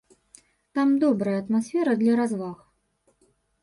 Там добрая атмасфера для разваг.